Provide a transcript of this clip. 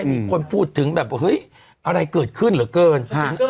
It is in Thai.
มีคนพูดถึงแบบว่าเฮ้ยอะไรเกิดขึ้นเหลือเกิน